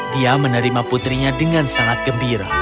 dia menerima putrinya dengan sangat gembira